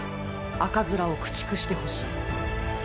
赤面を駆逐してほしい！